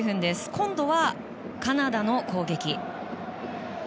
今度はカナダの攻撃。